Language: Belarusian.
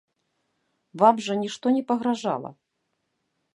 Вам жа нішто не пагражала.